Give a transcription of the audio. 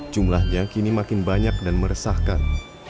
jumlahnya kini makin banyak dan meresahkan